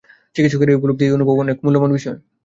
চিকিৎসকের এই উপলব্ধি, এই অনুভব অনেক মূল্যবান বিষয়।